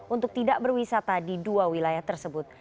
untuk tidak berwisata di dua wilayah tersebut